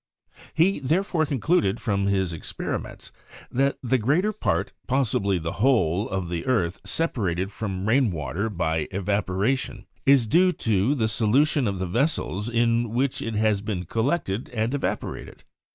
He therefore concluded from his experiments, "that the greater part, possibly the whole, of the earth separated from rain water by evaporation, is due to the solution of the vessels in which it has been collected and evaporated."